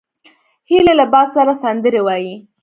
هیلۍ له باد سره سندرې وايي